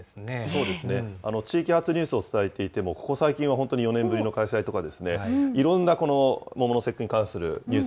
そうですね、地域発ニュースを伝えていても、ここ最近は本当に４年ぶりの開催ですとか、いろんな桃の節句に関するニュース